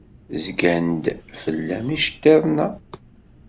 Zgan-d fell-am yiceḍḍiḍen-a.